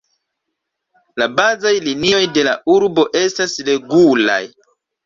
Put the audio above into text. La bazaj linioj de la urbo estas regulaj.